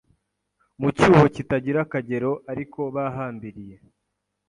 Mu cyuho kitagira akagero ariko bahambiriye